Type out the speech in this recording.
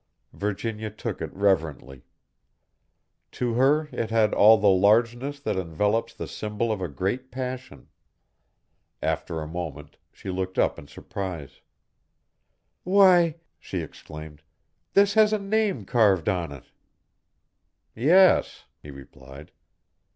Virginia took it reverently. To her it had all the largeness that envelops the symbol of a great passion. After a moment she looked up in surprise. "Why!" she exclaimed, "this has a name carved on it!" "Yes," he replied.